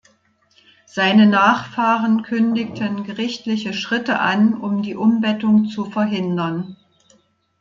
Seine Nachfahren kündigten gerichtliche Schritte an, um die Umbettung zu verhindern.